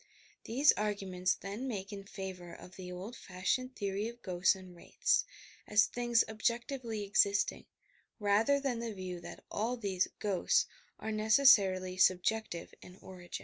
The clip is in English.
These arguments then make in favour of the old fashioned theory of ghosts and wraiths, as things objectively existing, rather than the view that all these "ghosts" are necessarily subjective in or^in.